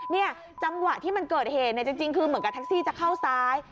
เนี่ยจังหวะที่มันเกิดเหตุเนี่ยจริงคือเหมือนกับแท็กซี่จะเข้าซ้าย